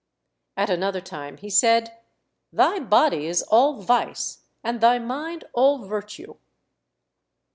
At another time he said, "Thy body is all vice, and thy mind all virtue."